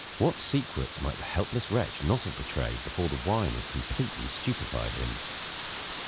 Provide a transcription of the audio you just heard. What secrets might the helpless wretch not have betrayed before the wine had completely stupefied him?